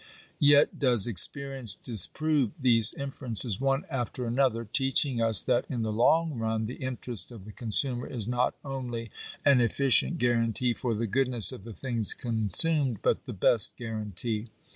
Yet does experience disprove these inferences one after ano ther, teaching us that, in the long run, the interest of the consumer is not only an efficient guarantee for the goodness of the things consumed, but the best guarantee.